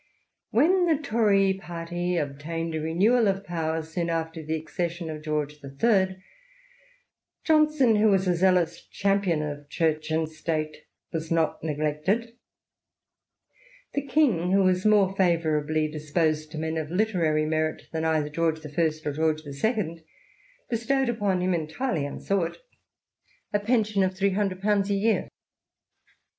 When the Tory party obtained a renewal of power soon after the accession of George III., Johnson, who was a zealous champion of Church and State, was not neglected. The king, who was more favourably disposed to men of literary merit than either George I. or George IL, bestowed upon him — entirely unsought — ^a pension of three hundred I xxvi IN TROD UCTION. pounds a year.